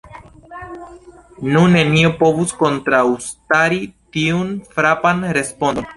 Nu, nenio povus kontraŭstari tiun frapan respondon.